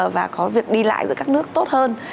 và có việc đi lại giữa các nước tốt hơn